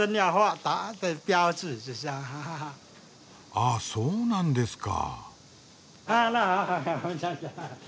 ああそうなんですか。